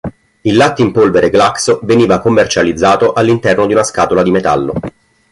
Il latte in polvere Glaxo veniva commercializzato all'interno di una scatola di metallo.